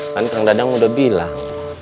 kan kang dadang udah bilang